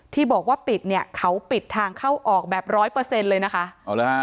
ที่บอกว่าปิดเนี่ยเขาปิดทางเข้าออกแบบร้อยเปอร์เซ็นต์เลยนะคะเอาเลยฮะ